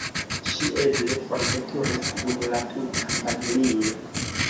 Ŝi eble forveturis kun la tuta familio.